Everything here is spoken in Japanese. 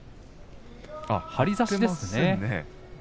張り差しですね。